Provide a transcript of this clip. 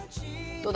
どうだ！